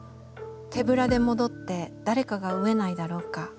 手ぶらで戻って誰かが飢えないだろうか。